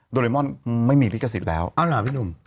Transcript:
โรเรมอนไม่มีลิขสิทธิ์แล้วเอาล่ะพี่หนุ่ม